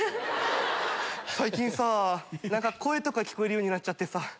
最近さぁ声とか聞こえるようになっちゃってさ。